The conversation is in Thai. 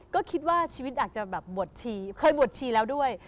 ก็คิดว่าชีวิตอาจจะแบบบวชชีเคยบวชชีแล้วด้วย